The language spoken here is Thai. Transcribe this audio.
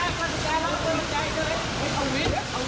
เอาไปเอาไป